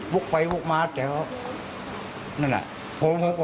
บุคไฟบุคมาสแต่เขานั่นแหละ